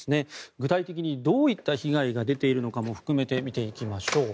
具体的にどういった被害が出ているのかも含めて見ていきましょう。